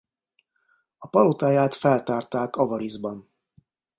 A palotáját feltárták Avariszban.